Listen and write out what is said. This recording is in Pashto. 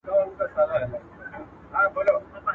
دی پاچا هغه فقیر دا څنګه کیږي؟.